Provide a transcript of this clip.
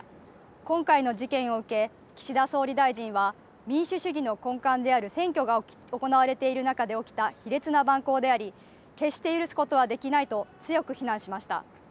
今回の事件を受け岸田総理大臣は民主主義の根幹である選挙が行われている中で起きた卑劣な蛮行であり、決して許すことはできないと強く非難しました。